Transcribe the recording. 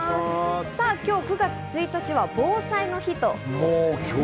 今日９月１日は防災の日。